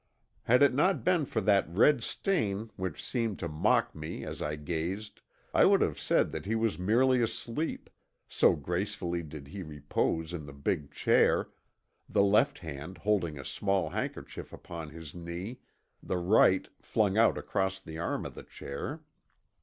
Had it not been for that red stain which seemed to mock me as I gazed, I would have said that he was merely asleep, so gracefully did he repose in the big chair, the left hand holding a small handkerchief upon his knee, the right flung out across the arm of the chair.